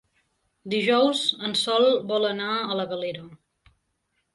Dijous en Sol vol anar a la Galera.